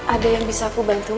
ada yang bisa aku bantu